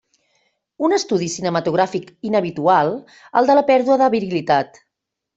Un estudi cinematogràfic inhabitual, el de la pèrdua de virilitat.